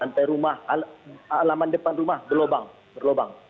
lantai rumah alaman depan rumah berlobang